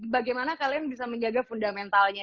bagaimana kalian bisa menjaga fundamentalnya